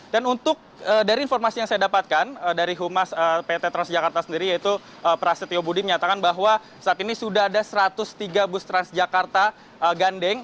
dan untuk dari informasi yang saya dapatkan dari humas pt transjakarta sendiri yaitu prasetyo budi menyatakan bahwa saat ini sudah ada satu ratus tiga bus transjakarta gandeng